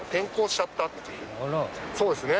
そうですね